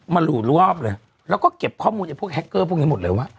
หรูรอบเลยแล้วก็เก็บข้อมูลไอพวกแฮคเกอร์พวกนี้หมดเลยว่า